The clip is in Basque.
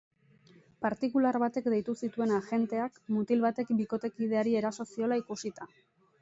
Partikular batek deitu zituen agenteak, mutil batek bikotekideari eraso ziola ikusita.